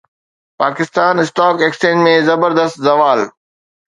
Pakistan stock exchange ۾ زبردست زوال